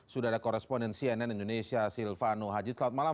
sudah ada koresponen cnn indonesia silvano haji selat malam